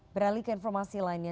beralih ke informasi lainnya